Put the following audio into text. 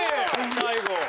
最後。